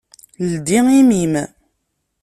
Ldi imi-m.